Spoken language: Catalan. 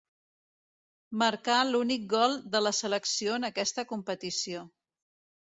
Marcà l'únic gol de la selecció en aquesta competició.